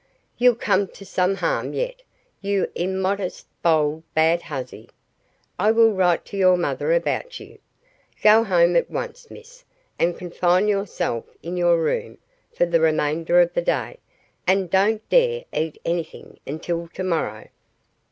You'll come to some harm yet, you immodest, bold, bad hussy! I will write to your mother about you. Go home at once, miss, and confine yourself in your room for the remainder of the day, and don't dare eat anything until tomorrow.